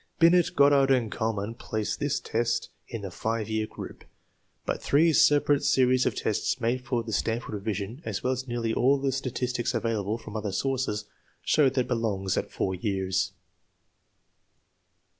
Binet, Goddard, and Kuhlmann place this test in the TEST NO. IV, 4 155 5 year group, but three separate series of tests made for the Stanford revision, as well as nearly all the statistics available from other sources, show that it belongs at 4 years.